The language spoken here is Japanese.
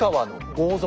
豪族。